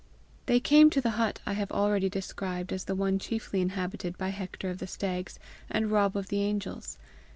They came to the hut I have already described as the one chiefly inhabited by Hector of the Stags and Rob of the Angels.